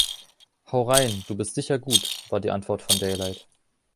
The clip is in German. Hau rein; du bist sicher gut, war die Antwort von Daylight.